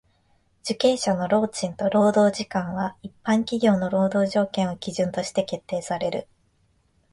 受刑者の労賃と労働時間は一般企業の労働条件を基準として決定される。